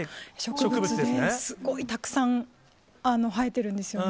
それがすごいたくさん生えてるんですよね。